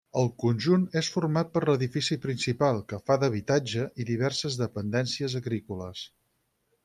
El conjunt és format per l'edifici principal, que fa d'habitatge, i diverses dependències agrícoles.